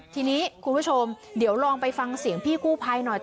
ถึงรู้ว่ามันอยู่ในนี้ครับ